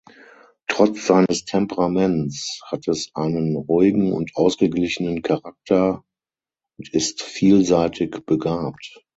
Trotz seines Temperaments hat es einen ruhigen und ausgeglichenen Charakter und ist vielseitig begabt.